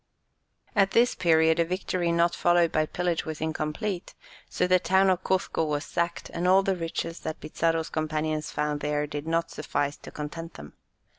At this period a victory not followed by pillage was incomplete, so the town of Cuzco was sacked, and all the riches that Pizarro's companions found there did not suffice to content them.